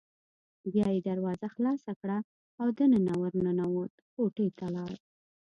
بیا یې دروازه خلاصه کړه او دننه ور ننوت، کوټې ته لاړ.